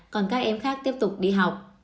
còn các em khác tiếp tục đi học